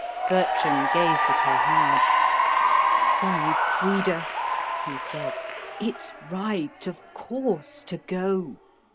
Bertram gazed at her hard. "Why, Frida," he said, "it's right, of course, to go.